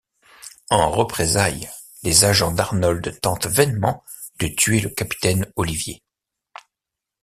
En représailles, les agents d'Arnold tentent vainement de tuer le capitaine Olivier.